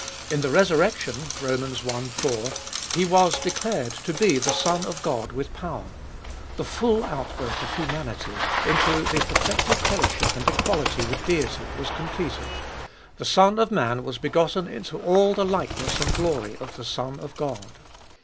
In the resurrection (Rom. i. 4), " He was declared to be the Son of God with power "; the full outbirth of humanity into the perfected fellowship and equality with Deity was completed ; the Son of Man was begotten into all the likeness and glory of the Son of God.